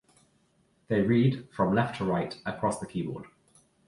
They read from left to right across the keyboard.